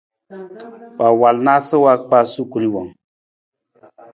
Wa wal naasa wa kpa sukuri wung.